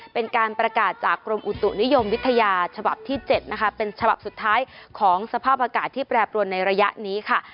เป็นการประกาศจากกรมอุตุนิยมวิทยาฉบับที่๗นะคะเป็นฉบับสุดท้ายของสภาพอากาศที่แปรปรวนในระยะนี้ค่ะ